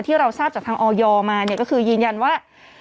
ที่เราทราบจากทางออยมาเนี่ยก็คือยืนยันว่า